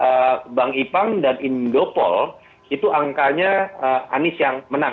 karena bang ipang dan indopol itu angkanya anis yang menang